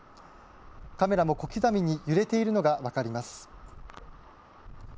カメラも小刻みに揺れているのが分かります。